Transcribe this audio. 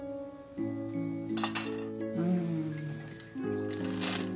うん。